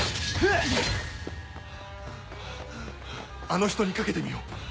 あの人に懸けてみよう